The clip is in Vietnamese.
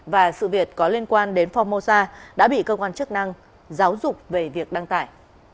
và sự việc có liên quan đến formosa đã bị cơ quan chức năng giáo dục về việc đăng tải